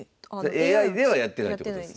ＡＩではやってないってことですね。